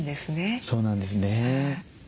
そうなんですね。